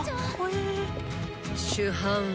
主犯は。